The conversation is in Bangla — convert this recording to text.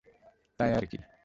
তাই আর কি!